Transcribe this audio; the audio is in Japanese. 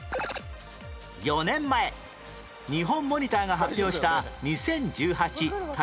４年前ニホンモニターが発表した２０１８タレント